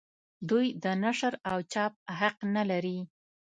دوی د نشر او چاپ حق نه لري.